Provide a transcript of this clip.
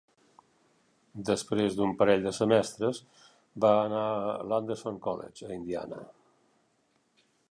Després d'un parell de semestres, va anar a l'Anderson College, a Indiana.